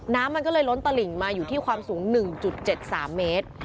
น้ำมันก็เลยล้นตลิ่งมาอยู่ที่ความสูง๑๗๓เมตร